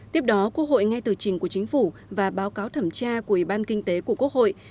tiếp đó quốc hội ngay từ trình của chính phủ và báo cáo thẩm tra của ủy ban kinh tế của quốc hội